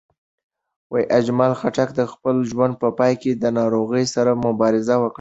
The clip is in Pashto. اجمل خټک د خپل ژوند په پای کې د ناروغۍ سره مبارزه وکړه.